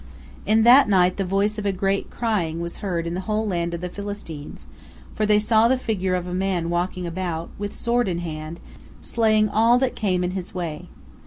In that night the voice of a great crying was heard in the whole land of the Philistines, for they saw the figure of a man walking about, with sword in hand, slaying all that came in his way.